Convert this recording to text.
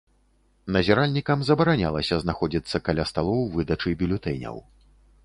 Назіральнікам забаранялася знаходзіцца каля сталоў выдачы бюлетэняў.